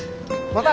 また。